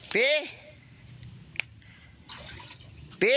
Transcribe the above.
ปีปี